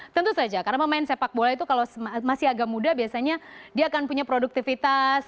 tentu saja karena pemain sepak bola itu kalau masih agak muda biasanya dia akan punya produktivitas